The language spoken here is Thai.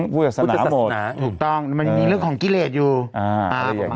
ถูกต้องถูกต้องถูกต้องถูกต้องถูกต้องถูกต้องถูกต้อง